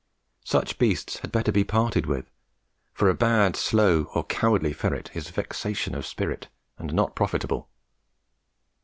Such beasts had better be parted with, for a bad, slow, or cowardly ferret is vexation of spirit and not profitable.